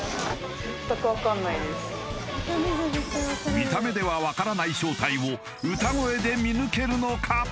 見た目では分からない正体を歌声で見抜けるのか？